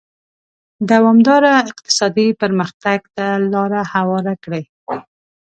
دوامداره اقتصادي پرمختګ ته لار هواره کړي.